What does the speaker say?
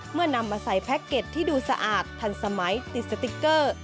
นำมาใส่แพ็คเก็ตที่ดูสะอาดทันสมัยติดสติ๊กเกอร์